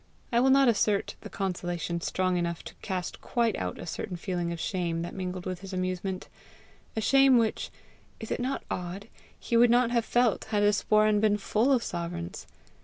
I will not assert the consolation strong enough to cast quite out a certain feeling of shame that mingled with his amusement a shame which is it not odd! he would not have felt had his sporan been full of sovereigns.